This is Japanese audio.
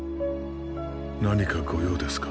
何か御用ですか？